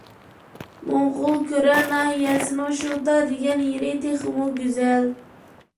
موڭغۇلكۈرە ناھىيەسىنىڭ شوتا دېگەن يېرى تېخىمۇ گۈزەل.